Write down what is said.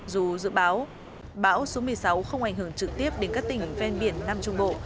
dù dự báo bão số một mươi sáu không ảnh hưởng trực tiếp đến các tỉnh ven biển nam trung bộ